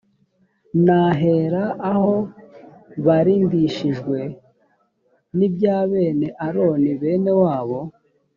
n ahera aho barindishijwe n ibya bene aroni bene wabo